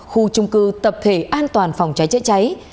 khu trung cư tập thể an toàn phòng cháy chữa cháy